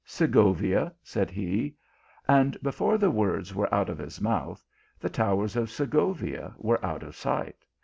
" Segovia, said he; and before the words were out of his mouth, the towers of Segovia were out of sight.